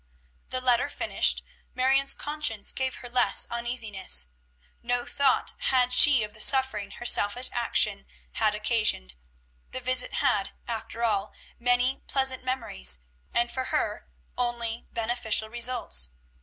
The letter finished, Marion's conscience gave her less uneasiness. No thought had she of the suffering her selfish action had occasioned. The visit had, after all, many pleasant memories, and for her only beneficial results.